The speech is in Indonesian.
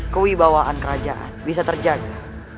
kewibawaan kerajaan bisa terjaga